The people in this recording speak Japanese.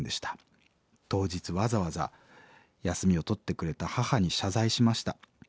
当日わざわざ休みを取ってくれた母に謝罪しました。